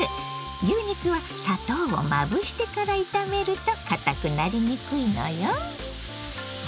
牛肉は砂糖をまぶしてから炒めるとかたくなりにくいのよ。